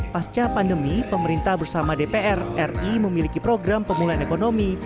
pasca pandemi pemerintah bersama dpr ri memiliki program pemulihan ekonomi